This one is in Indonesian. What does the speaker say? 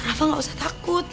rafa gak usah takut